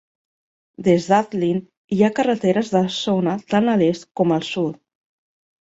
Des d'Atlin, hi ha carreteres de zona tant a l'est com al sud.